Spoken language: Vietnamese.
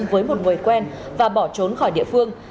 với một người quen và bỏ trốn khỏi địa phương